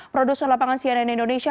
produser lapangan cnn indonesia